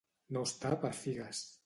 No estar per figues.